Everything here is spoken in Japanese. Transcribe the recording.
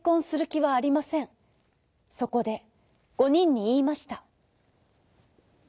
そこで５にんにいいました。